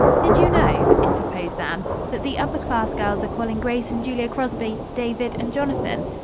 "Did you know," interposed Anne, "that the upperclass girls are calling Grace and Julia Crosby 'David and Jonathan'?"